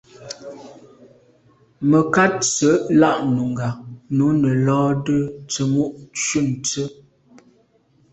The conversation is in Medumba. Mə̀kát sə̌ lá’ nùngá nǔ nə̀ lódə tsə̀mô shûn tsə́.